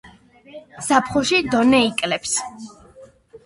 ზაფხულში დონე იკლებს.